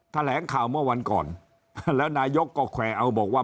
แถลงข่าวเมื่อวันก่อนแล้วนายกก็แขวเอาบอกว่า